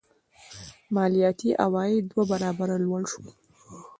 مالیاتي عواید دوه برابره لوړ شول.